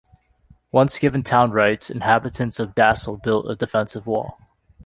Once given town rights, inhabitants of Dassel built a defensive wall.